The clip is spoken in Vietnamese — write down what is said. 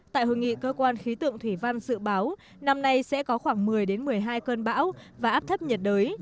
tại hội nghị cơ quan khí tượng thủy văn dự báo năm nay sẽ có khoảng một mươi một mươi hai cơn bão và áp thấp nhiệt đới